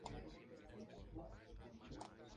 Asimismo, estuvo en los cuartos de final ante Carmelita.